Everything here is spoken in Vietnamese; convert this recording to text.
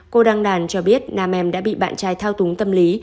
cô đăng đàn cho biết nam em đã bị bạn trai thao túng tâm lý